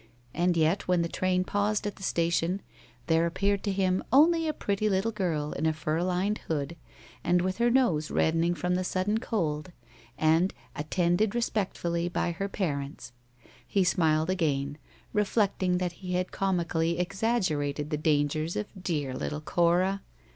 And yet, when the train paused at the station, there appeared to him only a pretty little girl in a fur lined hood, and with her nose reddening from the sudden cold, and attended respectfully by her parents. He smiled again, reflecting that he had comically exaggerated the dangers of dear little Cora.